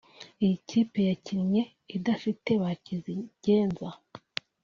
Iyi kipe yakinye idafite ba kizigenza